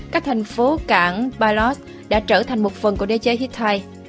các thành phố cảng palos đã trở thành một phần của đế chế hittai